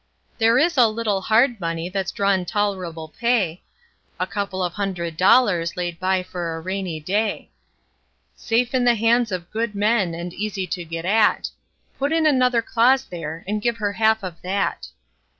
There is a little hard money that's drawin' tol'rable pay: A couple of hundred dollars laid by for a rainy day; Safe in the hands of good men, and easy to get at; Put in another clause there, and give her half of that.